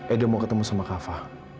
edo mau ketemu sama kava